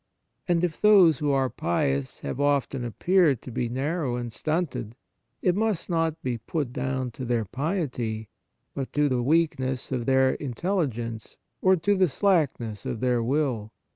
And if those who are pious have often appeared to be narrow and stunted, it must not be put down to their piety, but to the weakness of their intelligence or to the slackness of their will.